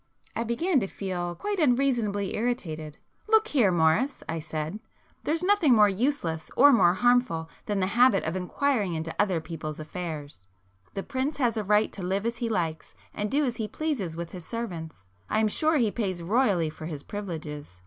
I began to feel quite unreasonably irritated. "Look here, Morris," I said—"There's nothing more useless or more harmful than the habit of inquiring into other people's affairs. The prince has a right to live as he likes, and do as he pleases with his servants—I am sure he pays royally for his privileges.